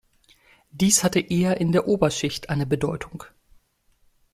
Dies hatte eher in der Oberschicht eine Bedeutung.